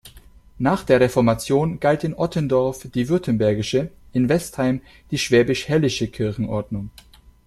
Nach der Reformation galt in Ottendorf die württembergische, in Westheim die Schwäbisch-Hällische Kirchenordnung.